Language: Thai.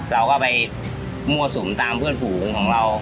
เราก็ไปมั่วสุมตามเพื่อนฝูงของเรา